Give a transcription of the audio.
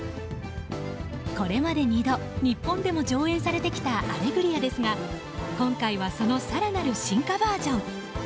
これまで２度、日本でも上演されてきた「アレグリア」ですが今回はその更なる進化バージョン。